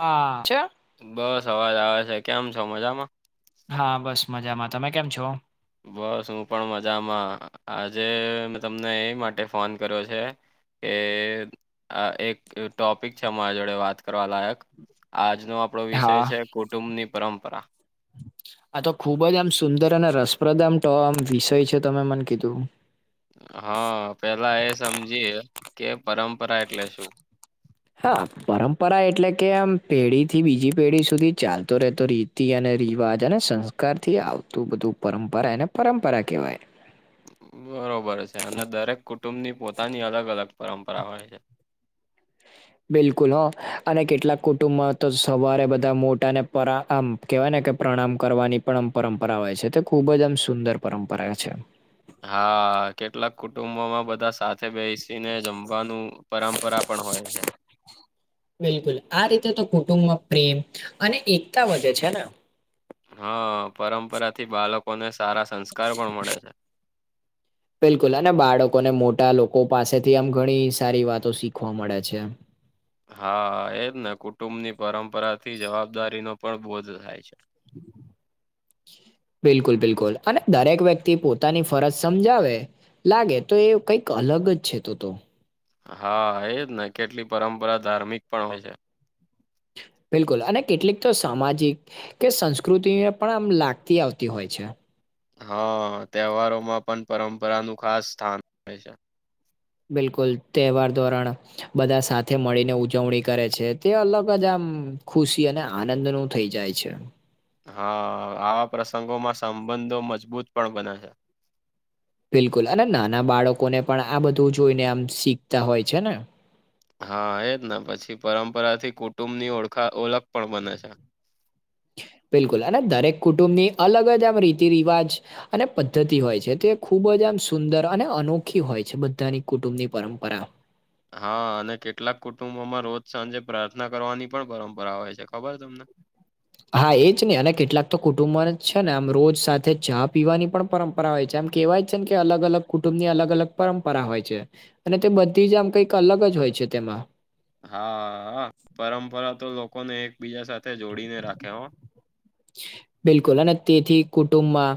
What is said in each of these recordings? આ છે. બસ અવાજ આવે છે કેમ છો મજામાં હા બસ મજામાં તમે કેમ છો બસ હું પણ મજામાં આજે મે તમને એ માટે ફોન કર્યો છે. એ.. આ એક ટોપિક છે મારા જોડે વાત કરવા લાયક આજનો આપણો વિષય હા છે કુટુંબની પરંપરા આ તો ખુબ જ આમ સુંદર અને રસપ્રદ આમ વિષય છે તમે મને કીધું હા પેલા એ સમજીએ કે પરંપરા એટલે શું હા પરંપરા એટલે કે એમ પેઢી થી બીજી પેઢી સુધી ચાલતો રહેતો રીત થી અને રિવાજ અને સંસ્કારથી આવતું બધું પરંપરા એને પરંપરા કહેવાય બરોબર છે અને દરેક કુટુંબની પોતાની અલગ અલગ પરંપરા હોય છે. બિલકુલ હ અને કેટલાક કુટુંબમાં તો સવારે બધા મોટાને પરા આમ કેવાય ને કે પ્રણામ કરવાની પણ અમ પરંપરા હોય છે તે ખુબ જ આમ સુંદર પરંપરા છે. હા કેટલાક કુટુંબો માં બધા સાથે બેસીને જમવાનું પરંપરા પણ હોય છે. બિલકુલ આ રીતે તો કુટુંબમાં પ્રેમ અને એકતા વધે છે ને હા પરંપરા થી બાળકોને સારા સંસ્કાર પણ મળે છે. બિલકુલ અને બાળકોને મોટા લોકો પાસેથી આમ ઘણી સારી વાતો શીખવા મળે છે. હા એજ ને કુટુંબની પરંપરા થી જવાબદારી નો પણ બોધ થાય છે. [inaudible] બિલકુલ બિલકુલ અને દરેક વ્યક્તિ પોતાની ફરજ સમજાવે લાગે તો એ કંઈક અલગ જ છે તો તો હા એજ ને કેટલી પરંપરા ધાર્મિક પણ હોય છે. બિલકુલ અને કેટલીક તો સામાજિક કે સંસ્કૃતિએ એ પણ આમ લાગતી આવતી હોય છે. હા તહેવારોમાં પણ પરંપરા નું ખાસ સ્થાન આવે છે. બિલકુલ તહેવાર ધોરણ બધા સાથે મળીને ઉજવણી કરે છે તે અલગ જ આમ ખુશી અને આનંદ નું થઇ જાય છે. હા આવા પ્રસંગોમાં સંબંધો મજબૂત પણ બને છે. બિલકુલ અને નાના બાળકોને પણ આ બધું જોઈને આમ શીખતા હોય છે ને હા એજ ને પછી પરંપરાથી કુટુંબ ની ઓળખાન ઓળખ પણ બને છે. બિલકુલ અને દરેક કુટુંબની અલગ જ આમ રીતિ રિવાજ અને પદ્ધતિ હોય છે તે ખૂબ જ આમ સુંદર અને અનોખી હોય છે બધાની કુટુંબની પરંપરા હા અને કેટલાક કુટુંબોમાં રોજ સાંજે પ્રાર્થના કરવાની પણ પરંપરા હોય છે ખબર તમને હા એજ ને અને કેટલાક તો કુટુંબ જ છે ને આમ રોજ સાથે ચા પીવાની પણ પરં પરા હોય છે એમ કેહેવાય છેન કે અલગ અલગ કુટુંબની અલગ અલગ પરંપરા હોય છે. અને તે બધી જ આમ કઈક અલગ જ હોય છે તેમાં હા પરંપરા તો લોકોને એકબીજા સાથે જોડીને રાખે હો બિલકુલ અને તેથી કુટુંબમાં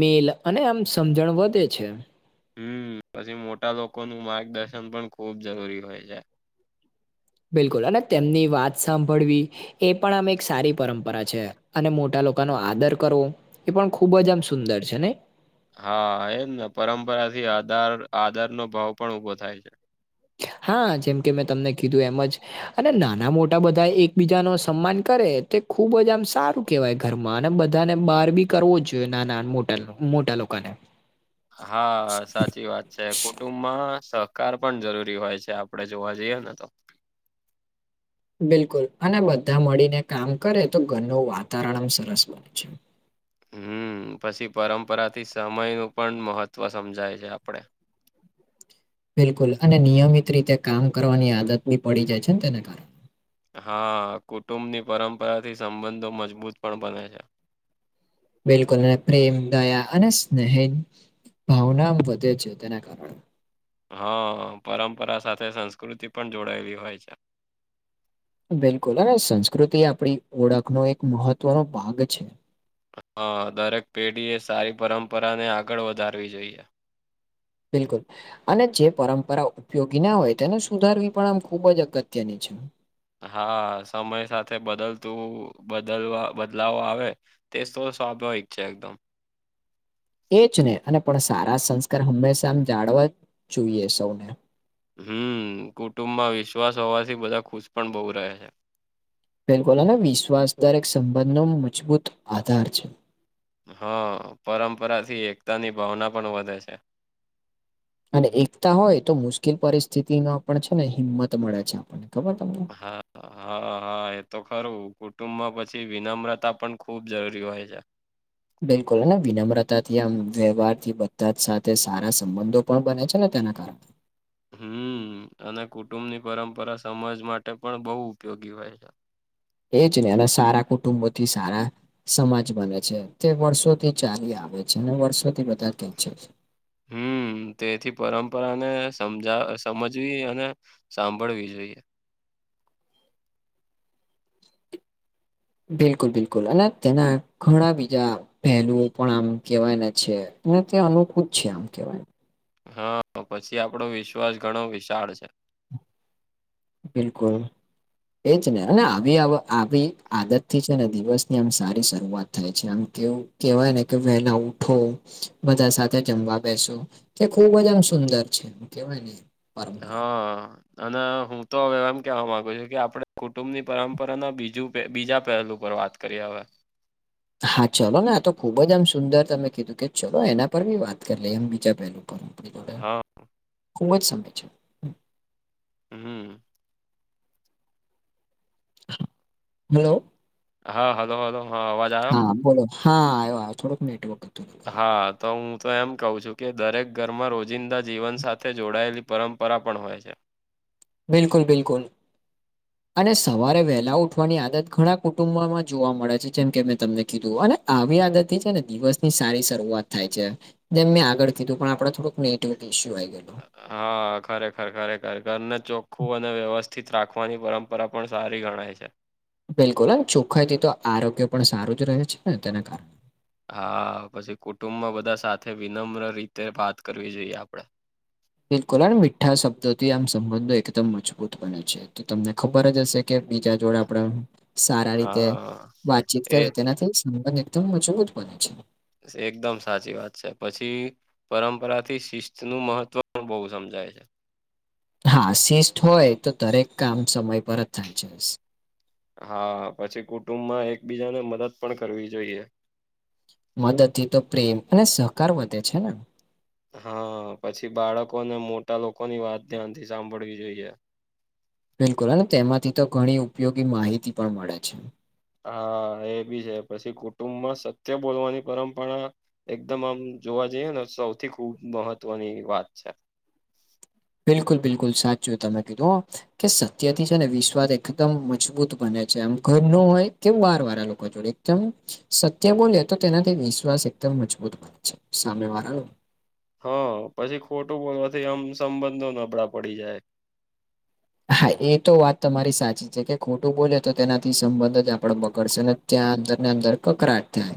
મેલ અને આમ સમજણ વધે છે. હમ પછી મોટા લોકોનું માર્ગદર્શન પણ ખુબ જરૂરી હોય છે. બિલકુલ અને તેમની વાત સાંભળવી એ પણ આમ એક સારી પરંપરા છે અને મોટા લોકોનો આદર કરવો. એ પણ ખુબ જ આમ સુંદર છે ને. હા એમ ને પરંપરા થી આધાર આદર નો ભાવ પણ ઉભો થાય છે. હા જેમ કે મેં તમને કીધું એમ જ અને નાના મોટા બધા એકબીજા ન સન્માન કરે તે ખુબ જ આમ સારું કહેવાય ઘરમાં અને બધાને બહાર બી કરવો જ જોઈએ નાના મોટા મોટા લોકોને. હા સાચી વાત છે કુટુંબ સહકાર પણ જરૂરી હોય છે આપડે જોવા જઈએ ને તો. બિલકુલ અને બધા મળીને કામ કરે તો ઘરનું વાતાવરણ આમ સરસ બને છે. હમ પછી પરંપરા થી સમય નું પણ મહત્વ સમજાય છે આપડેવ બિલકુલ અને નિયમિત રીતે કામ કરવાની આદત બી પડી જાય છે ને તેના કારણે. હા, કુટુંબ ની પરંપરાથી સંબંધો મજબૂત પણ બને છે. બિલકુલ અને પ્રેમ દયા અને સ્નેહ ભાવના વધે છે તેના કારણે. હા પરંપરા સાથે સંસ્કૃતિ પણ જોડાયેલી હોય છે. બિલકુલ અને સંસ્કૃતિ આપણી ઓળખનો એક મહત્વનો ભાગ છે. હા દરેક પેઢી એ સારી પરંપરાને આગળ વધારવી જોઈએ. બિલકુલ અને જે પરંપરા ઉપયોગી ના હોય તેને સુધારવી પણ આમ ખુબ જ અગત્યની છે. હા સમય સાથે બદલતું બદલવા બદલાવ આવે તે સૌ સ્વાભાવિક છે એકદમ. એ જ ને અને પણ સારા સંસ્કાર હંમેશા આમ જાળવા જ જોઈએ સૌને. હમ કુટુંબમાં વિશ્વાસ હોવાથી બધા ખુશ પણ બહુ રહે છે. બિલકુલ વિશ્વાસ દરેક સંબંધ નો મજબૂત આધાર છે. હા પરંપરા થી એકતાની ભાવના પણ વધે છે. અને એકતા હોય તો મુશ્કેલ પરિસ્થિતિનો આપ છે ને હિંમત મળે છે આપણને ખબર તમને. હા, હા, હા. હા એ તો ખરું કુટુંબમાં પછી વિનમ્રતા પણ ખુબ જરૂરી હોય છે. બિલકુલ વિનમ્રતાથી આમ વ્યવહાર થી બધા સાથે સારા સંબંધો પણ બને છે ને તેના કારણે. હમ અને કુટુંબની પરંપરા સમાજ માટે પણ બહું ઉપયોગી હોય છે. એ જ ને એના સારા કુટુંબથી સારા સમાજ બને છે તે વર્ષોથી ચાલી આવે છે અને વર્ષોથી બધા કે છે. હમ. તેથી પરંપરાને સમજ સમજવી અને સાંભળવી જોઈએ. બિલકુલ, બિલકુલ અને તેના ઘણા બીજા. પહેલું પણ આમ કેવાય ને છે તે અનું કુંત જ છે આમ કેવાય. હા, પછી આપડો વિશ્વાસ ઘણો વિશાળ છે. બિલકુલ. એજ ને અને આવી આવી આદતથી છે ને દિવસની આમ સારી શરૂઆત થાય છે આમ કેવું કેવાય ને કે વહેલા ઉઠો બધા સાથે જમવા બેસો. કે ખુબ જ આમ સુંદર છે કેવાય ને. પરંપરા હા. અને હું તો હવે એમ કેવા માંગુ છું કે આપડે કુટુંબ ની પરંપરા ના બીજ બીજા પહેલુ પર વાત કરીએ હવે. હા ચલો ને આ તો ખુબ જ આમ સુંદર તમે કીધું કે ચલો એના પર બી વાત કરી લઈ એમ બીજા પેલું. હા, ખૂબ જ સમય છે. હમ. હલો. હા, હલો, હલો હા અવાજ આયો? હા બોલો હા આવયો થોડોક નેટવર્ક હતું હા. તો હું તો એમ કહું છું કે દરેક ઘરમાં રોજિંદા જીવન સાથે જોડાયેલી પરંપરા પણ હોય છે. બિલકુલ બિલકુલ. [inaudible] અને સવારે વહેલા ઉઠવાની આદત ઘણા કુટુંબમાં જોવા મળે છે જેમ કે મેં તમને કીધું આવી આદત થી છે ને દિવસ ની સારી શરૂઆત થાય છે. એમ મેં આગળીધું પણ આપણે થોડુંકનેટિવટીઇયુ આ આવી ગયું. હા ખરેખર ખરેખર ઘરને ચોખ્ખું અને વ્યવસ્થિત રાખવાની પરંપરા કરા પણ સારી ગણાય છે. બિલકુલ અને ચોખાઈથી તો આરોગ્ય પણ સારું જ રહે છે ને તેના કારણે હા પછી કુટુંબમાં બધા સાથે વિનમ્ર રીતે વાત કરવી જોઈએ આપડે બિલકુલ મીઠા શબ્દોથી આમ સંબંધો એકદમ મજબૂત બને છે. તો તમને ખબર જ હશે કે બીજા જોડે આપડા. સારા રીતે હા વાતચીત એ કરે તેનાથી સંબંધ એકદમ મજબૂત બને છે. એકદમ સાચી વાત છે પછી પરંપરા થી શિસ્ત નું મહત્વ પણ બહુ સમજાય છે. હા શિષ હોય તો દરેક કામ સમય પર જ થાય છે. હા પછી કુટુંબમાં એકબીજાને મદદ પણ કરવી જોઈએ. મદદ થી તો પ્રેમ અને સહકાર વધે છે ને હા પછી બાળકોને મોટા લોકોની વાત ધ્યાનથી સાંભળવી જોઈએ. બિલકુલ અને તેમાંથી તો ઘણી ઉપયોગી માહિતી પણ મળે છે. હા એ બી છે પછી કુટુંબમાં સત્ય બોલવાની પરંપરા એકદમ આમ જોવા જઈએ ને સૌથી ખુબ મહત્વની વાત છે. બિલકુલ બિલકુલ સાચું તમે કીધું. કે સત્યથી છે ને વિશ્વાસ એકદમ મજબૂત બને છે આમ ઘર ન હોય કે બાર વાળા લોકો જોડે એકદમ સત્ય બોલે તો તેનાથી વિશ્વાસ એકદમ મજબૂતત છે સામે વાળા ન હા પછી ખોટું બોલવાથી આમ સંબંધો નબળા પડી જાય. હા એ તો વાત તમારી સાચી છે કે ખોટું બોલે તો તેનાથી સંબંધ જ આપડ બગડશે ને ત્યાં અંદર ને અંદર કકરાટ થાય.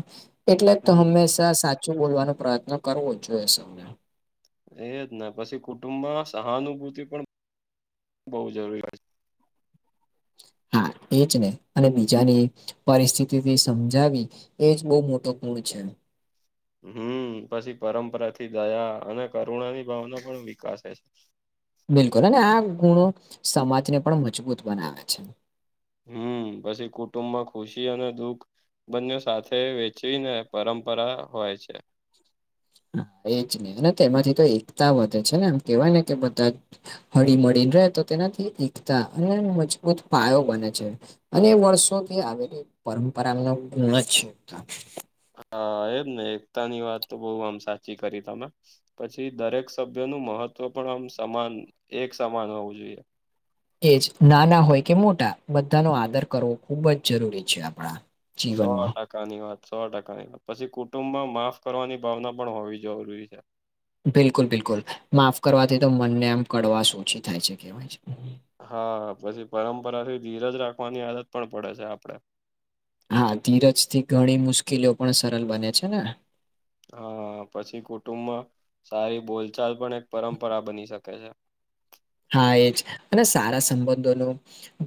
એટલે જ તો હમ હંમેશા સાચું બોલવાનો પ્રયત્ન કરવો જ જોઈએ સૌને એ જ પછી કુટુંબમાં સહાનુભૂતિ પણ બહુ જરૂરી હોય છે હા એજ ને અને બીજાની પરિસ્થિતિથી સમજાવી એ જ બહુ મોટો ગુણ છે. હમ પછી પરંપરાથી દયા અને કરુણાની ભાવનો પણ વિકાસ થાય છે. બિલકુલ અને આ ગુણો સમાજને પણ મજબૂત બનાવે છે. હમ પછી એ કુટુંબ માં ખુશી અને દુઃખ બંઓ સાથે વેચીને પરંપરા હોય છે. એજ ને અને તેમાંથી તો એકતા વધે છે ને એમ કેવાય ને કે બધા જ હળી મળીને રહે તો તેનાથી એકતા અને મજબૂત પાયો બને છે. અને વર્ષોથી આવેલી પરંપરાનો ગુણ જ થાય. હા એમ ને એકતા ની વાત તો બહુ આમ સાચી કરી તમે પછી દરેક સભ્ય નું મહત્વ પણ આમ સમાન એક સમાન હોવું જોઈએ. એ જ નાના હોય કે મોટા બધાનો આદર કરવો ખૂબ જ જરૂરી છે આપણા સો ટકા જીવનમાં ટકાની વાત સો ટકાની વાત પછી કુટુંબ માં માફ કરવાની ભાવના પણ હોવી જરૂરી છે. બિલકુલ બિલકુલ માફ કરવાથી તો મનને આમ કડવાશ ઓછી થાય છે કેવાય હા પછી પરંપરા થી ધીરજ રાખવાની આદત પણ પડે છે આપડે હા ધીરજ થી ઘણી મુશ્કેલીઓ પણ સરળ બને છે ને હા પછી કુટુંબમાં સારી બોલચાલ પણ એક પરંપરા બની શકે છે. હા એજ અને સારા સંબંધોનું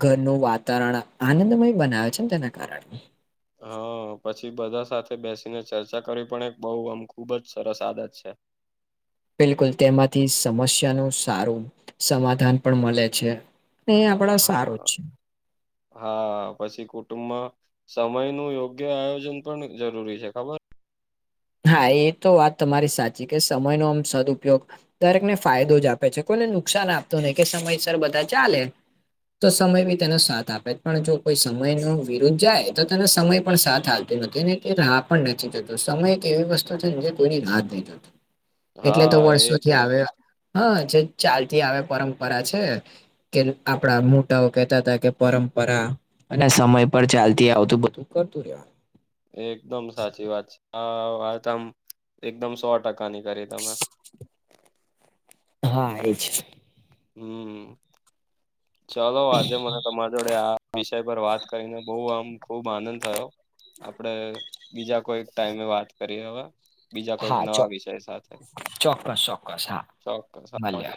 ઘરનું વાતાવરણ આનંદમય બનાવે છે ને તેના કારણે હા, પછી બધા સાથે બેસીને ચર્ચા કરી પણ એક બહુ આમ ખુબ જ સરસ આદત છે. બિલકુલ. તેમાંથી સમસ્યાનું સારું, સમાધાન પણ મળે છે. ને એ આપડા હા સારું જ હા. છે હા, પછી કુટુંબમાં સમયનું યોગ્ય આયોજન પણ જરૂરી છે ખબર? હા, એ તો વાત તમારી સાચી કે સમયનો આમ સદઉપયોગ દરેકને ફાયદો જ આપે છે. કોઈને નુકસાન આપતું નહી કે સમયસર બધા ચાલે. તો સમય બી તેનો સાથ આપે, પણ જો કોઈ સમય ન વિરુદ્ધ જાય તો તેનો સમય પણ સાથ આપ નથી ને કે રાહ પણ નથી જતો. સમય એક એવી વસ્તુ છે જે કોઈની રાત નહી થતો. એટલે તો હા એ તો વર્ષોથી આવે. હ, જે ચાલતી આવે પરંપરા છે. કે આપડા મોટાઓ કેહેતા હતા કે પરંપરા અને સમય પર ચાલતી આવતું બધું કરતું રે. એકદમ સાચી વાત છે. હા, તમ એકદમ સો ટકાની કરી તમે. હા, એજ. હમ. ચાલો આજે મને તમારા જોડે આ વિષય પર વાત કરીને, બહુ આમ ખુબ આનંદ થયો. આપડે બીજા કોઈક ટાઈમે વાત કરીએ હવે. બીજા કોઈક હા ચો નવા વિષય સાથે ચોક્કસ ચોક્કસ હા ચોક્કસ મળ્યા